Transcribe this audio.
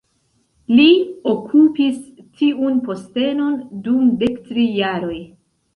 Li okupis tiun postenon dum dektri jaroj.